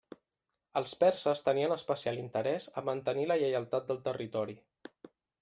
Els perses tenien especial interès a mantenir la lleialtat del territori.